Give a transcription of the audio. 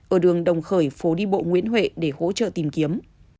ở đường đồng khởi phố đi bộ nguyễn huệ để hỗ trợ tìm kiếm